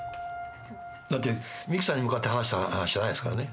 だって三木さんに向かって話した話じゃないですからね。